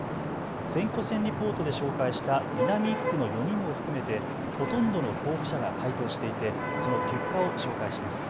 選挙戦リポートで紹介した南１区の４人も含めてほとんどの候補者が回答していてその結果を紹介します。